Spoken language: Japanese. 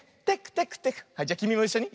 はいじゃきみもいっしょに。